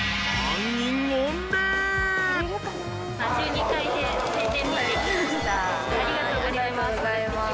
ありがとうございます。